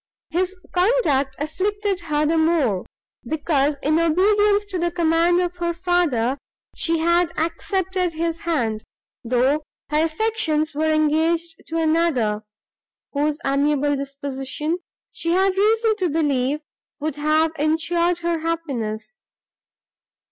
His conduct afflicted her the more, because, in obedience to the command of her father, she had accepted his hand, though her affections were engaged to another, whose amiable disposition, she had reason to believe, would have ensured her happiness.